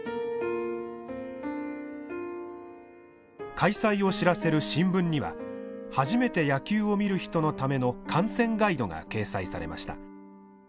開催を知らせる新聞には初めて野球を見る人のための観戦ガイドが掲載されました。